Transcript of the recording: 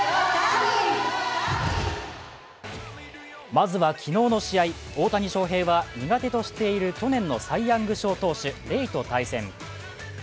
まずは昨日の試合、大谷翔平は苦手としている去年のサイ・ヤング賞投手・レイと対戦。